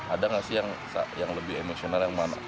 ada nggak sih yang lebih emosional yang mana